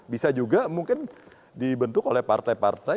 bisa juga mungkin dibentuk oleh partai partai